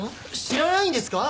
知らないんですか！？